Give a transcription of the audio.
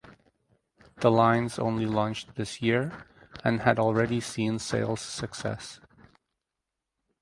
The lines only launched this year and had already seen sales success.